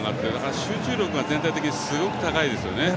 集中力が全体的にすごく高いですね。